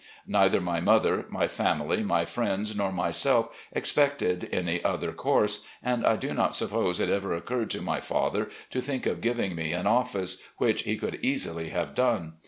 N either my mother, my family, my friends nor myself expected any other course, and I do not suppose it ever occurred to my father to think of giving me an office, which he could easily have done.